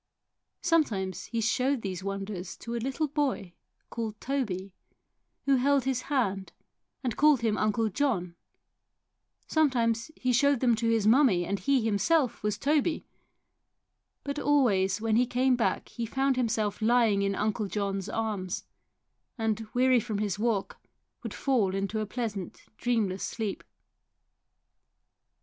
Sometimes he showed these wonders to a little boy called Toby, who held his hand and called him Uncle John, sometimes he showed them to his mummie and he himself was Toby; but always when he came back he found himself lying in Uncle John's arms, and, weary from his walk, would fall into a pleasant dreamless sleep.